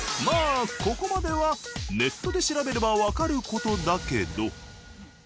まあここまではネットで調べればわかる事だけど。